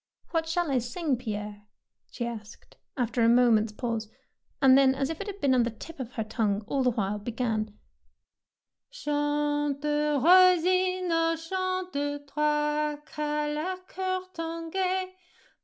''What shall I sing, Pierre?" she asked, after a moment's pause, and then, as if it had been on the tip of her tongue all the while, began, — Chante, rossignol, chante, Toi qu'as le coeur tant gai.